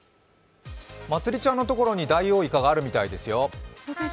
まつりちゃんのところにダイオウイカがあるみたいですよ。